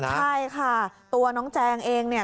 ใช่ค่ะตัวน้องแจงเองเนี่ย